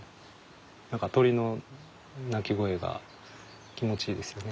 何か鳥の鳴き声が気持ちいいですよね。